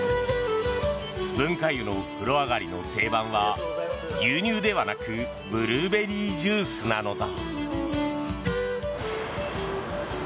文化湯の風呂上がりの定番は牛乳ではなくブルーベリージュースなのだ。